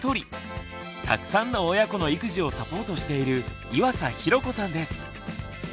たくさんの親子の育児をサポートしている岩佐寛子さんです。